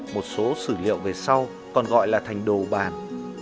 một số sử liệu về sau còn gọi là thành đồ bàn